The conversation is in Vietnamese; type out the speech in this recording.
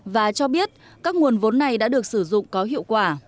và cho biết các nguồn vốn này đã được sử dụng có hiệu quả